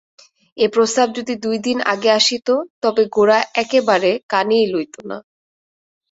এ প্রস্তাব যদি দুইদিন আগে আসিত তবে গোরা একেবারে কানেই লইত না।